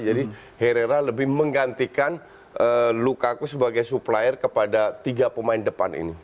jadi herrera lebih menggantikan lukaku sebagai supplier kepada tiga pemain depan ini